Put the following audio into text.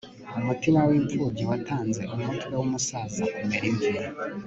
umutima w'imfubyi watanze umutwe w'umusaza kumera imvi